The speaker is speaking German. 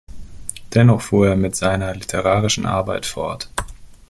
Dennoch fuhr er mit seiner literarischen Arbeit fort.